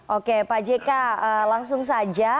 oke pak jk langsung saja